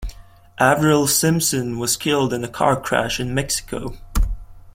Avril Simpson was killed in a car crash in Mexico.